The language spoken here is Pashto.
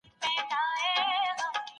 سرلوړي یوازي د مؤمنانو په نصیب وي.